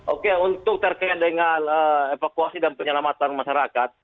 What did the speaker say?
oke untuk terkait dengan evakuasi dan penyelamatan masyarakat